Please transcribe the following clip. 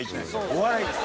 お笑いです。